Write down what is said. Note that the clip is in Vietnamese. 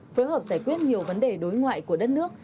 phối hợp giải quyết nhiều vấn đề đối ngoại của đất nước